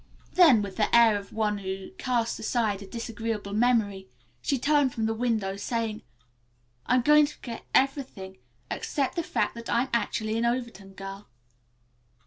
Then, with the air of one who casts aside a disagreeable memory, she turned from the window, saying: "I'm going to forget everything except the fact that I'm actually an Overton girl."